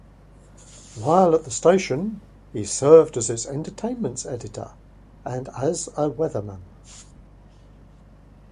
While at the station, he served as its entertainment editor and as a weatherman.